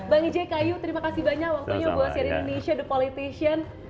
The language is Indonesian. bang ije kayu terima kasih banyak waktunya buat sian indonesia the politician